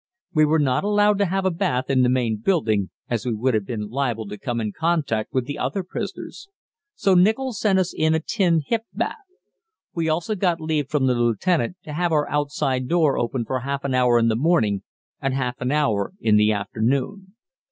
We were not allowed to have a bath in the main building, as we would have been liable to come in contact with the other prisoners; so Nichol sent us in a tin hip bath. We also got leave from the lieutenant to have our outside door open for half an hour in the morning and half an hour in the afternoon.